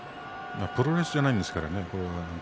プロレスじゃないんですからね。